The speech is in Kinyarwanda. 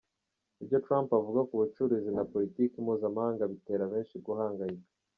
Ibyo Trump avuga ku bucuruzi na Politiki mpuzamahanga bitera benshi guhangayika.